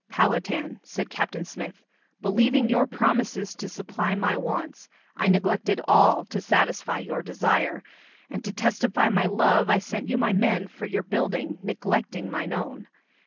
"Powhatan," said Captain Smith, "believing your promises to supply my wants, I neglected all to satisfy your desire, and to testify my love I sent you my men for your building, neglecting mine own.